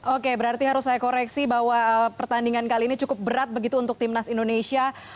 oke berarti harus saya koreksi bahwa pertandingan kali ini cukup berat begitu untuk timnas indonesia